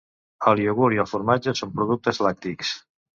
El iogurt i el formatge són productes lactis.